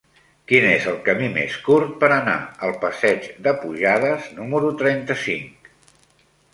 Quin és el camí més curt per anar al passeig de Pujades número trenta-cinc?